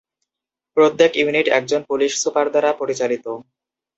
প্রত্যেক ইউনিট একজন police super দ্বারা পরিচালিত।